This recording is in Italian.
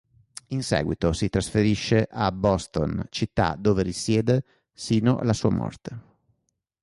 In seguito si trasferisce a Boston, città dove risiede sino alla sua morte.